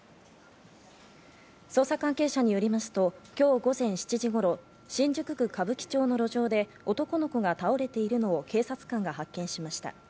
捜査関係者によりますと今日午前７時頃、新宿区歌舞伎町の路上で、男の子が倒れているのを警察官が発見しました。